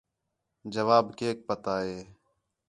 جواب کیک پتا ہے